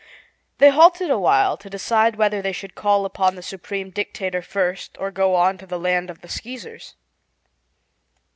They halted awhile to decide whether they should call upon the Supreme Dictator first, or go on to the Lake of the Skeezers.